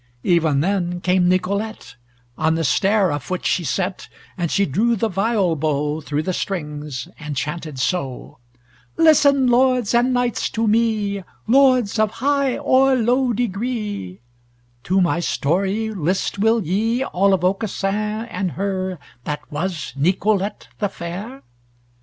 Even then came Nicolete On the stair a foot she set, And she drew the viol bow Through the strings and chanted so; "Listen, lords and knights, to me, Lords of high or low degree, To my story list will ye All of Aucassin and her That was Nicolete the fair?